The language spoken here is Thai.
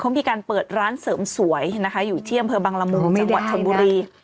เขามีการเปิดร้านเสริมสวยนะคะอยู่ที่อำเภอบังละมุงจังหวัดชนบุรี